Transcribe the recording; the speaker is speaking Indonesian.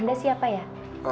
anda siapa ya